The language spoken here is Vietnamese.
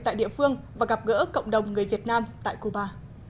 tại địa phương và gặp gỡ cộng đồng người việt nam tại cuba